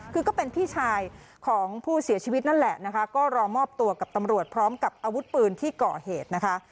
คือก็เป็นพี่ชายของผู้เสียชีวิตนั่นแหละนะคะก็รอมอบตัวกับตำรวจพร้อมกับอาวุธปืนที่ก่อเหตุนะคะ